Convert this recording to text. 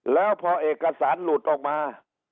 แล้วพอเอกสารหลุดออกมา